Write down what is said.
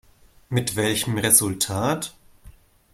Mit welchem Resultat?